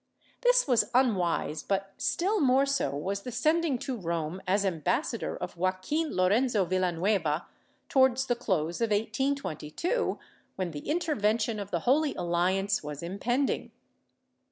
^ This was unwise but still more so was the sending to Rome as ambassador of Joac^uin Lorenzo Villanueva, towards the close of 1822, when the intervention of the Holy Alliance was impending.